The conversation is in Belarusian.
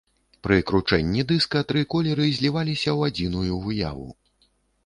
Пры кручэнні дыска тры колеры зліваліся ў адзіную выяву.